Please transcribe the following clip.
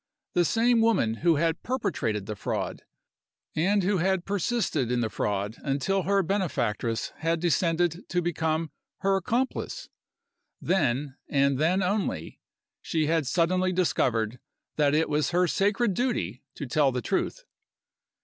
The same woman who had perpetrated the fraud, and who had persisted in the fraud until her benefactress had descended to become her accomplice. Then, and then only, she had suddenly discovered that it was her sacred duty to tell the truth!